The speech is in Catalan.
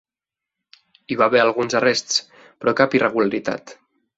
Hi va haver alguns arrests, però cap irregularitat.